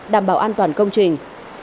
đảm bảo an toàn công trình